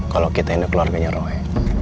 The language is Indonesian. kalau kita ini keluarganya roh